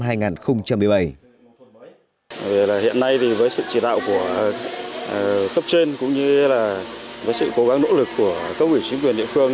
hiện nay với sự chỉ đạo của cấp trên cũng như là với sự cố gắng nỗ lực của các quỷ chính quyền địa phương